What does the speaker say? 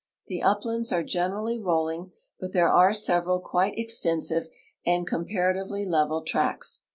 The uplands are general!}'' rolling, but there are several quite extensive and comparatively level tracts.